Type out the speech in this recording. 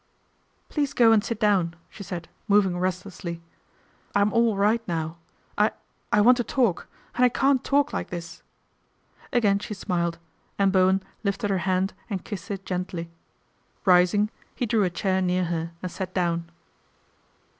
" Please go and sit down," she said, moving restlessly. "I'm all right now. I I want to talk and I can't talk like this." Again she ' smiled, and Bowen lifted her hand and kissed it gently. Rising he drew a chair near her and sat down.